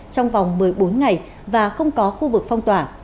trong vòng một mươi bốn ngày và không có khu vực phong tỏa